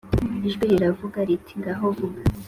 Ijwi riravuga riti «Ngaho vuga!»